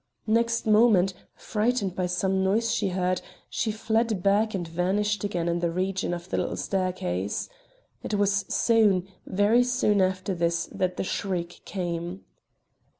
Next moment, frightened by some noise she heard, she fled back and vanished again in the region of the little staircase. It was soon, very soon after this that the shriek came.